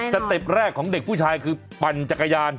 เต็ปแรกของเด็กผู้ชายคือปั่นจักรยาน